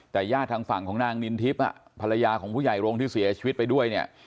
แต่ญาติทางฝั่งของนางนินทิพย์ภรรยาของผู้ใหญ่โรงที่เสียชีวิตไปด้วยเนี่ย